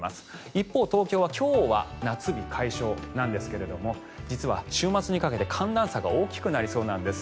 一方で東京は今日は夏日解消なんですが実は週末にかけて寒暖差が大きくなりそうなんです。